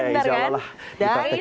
tau tau kayak the rock under kan